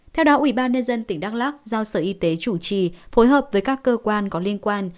theo đó ubnd tỉnh đắk lắc giao sở y tế chủ trì phối hợp với các cơ quan có liên quan